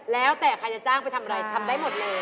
แล้วแต่ใครจะจ้างไปทำอะไรทำได้หมดเลย